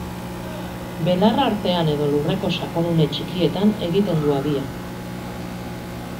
Belar artean edo lurreko sakonune txikietan egiten du habia.